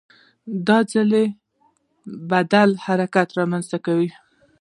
ځای بدلول حرکت رامنځته کوي.